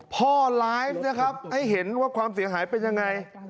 พ่อไลฟ์นะครับให้เห็นว่าความเสียหายเป็นยังไง